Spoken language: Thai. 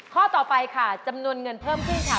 ข้อต่อไปค่ะจำนวนเงินเพิ่มขึ้นค่ะ